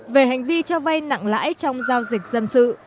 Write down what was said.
về hành vi cho vay nặng lãi trong giao dịch dân sự